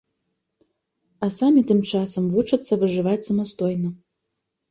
А самі тым часам вучацца выжываць самастойна.